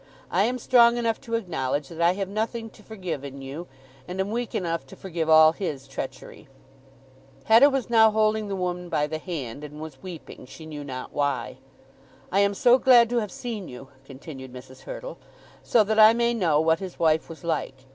I am strong enough to acknowledge that I have nothing to forgive in you; and am weak enough to forgive all his treachery." Hetta was now holding the woman by the hand, and was weeping, she knew not why. "I am so glad to have seen you," continued Mrs. Hurtle, "so that I may know what his wife was like.